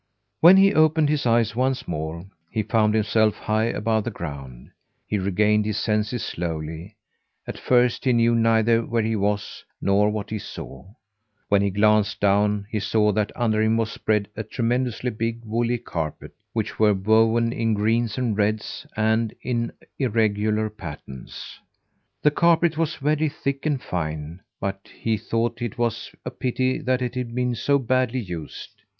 When he opened his eyes once more, he found himself high above the ground. He regained his senses slowly; at first he knew neither where he was, nor what he saw. When he glanced down, he saw that under him was spread a tremendously big woolly carpet, which was woven in greens and reds, and in large irregular patterns. The carpet was very thick and fine, but he thought it was a pity that it had been so badly used.